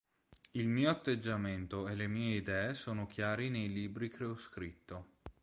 Il mio atteggiamento e le mie idee sono chiari nei libri che ho scritto.